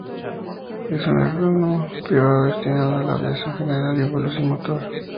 Es un aeródromo privado destinado a la aviación general y vuelo sin motor.